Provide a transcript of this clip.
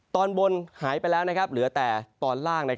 ตอนบนหายไปแล้วเหลือแต่ตอนล่าง